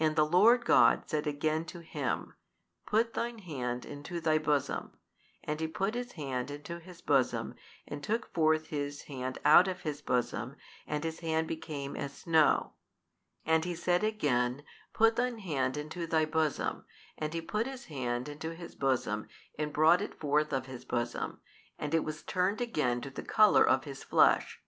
And the Lord God said again to him, Put thine hand into thy bosom, and he put his hand into his bosom and took forth his hand out of his bosom and his hand became as snow. And He said again, Put thine hand into thy bosom, and he put his hand into his bosom and brought it forth of his bosom, and it was turned again to the colour of his flesh.